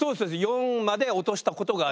４まで落としたことがあります。